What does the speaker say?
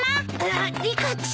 あっリカちゃん。